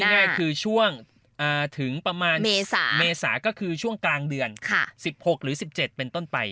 ก็พูดง่ายคือช่วงเมษาก็คือช่วงกลางเดือน๑๖หรือ๑๗เป็นต้นไป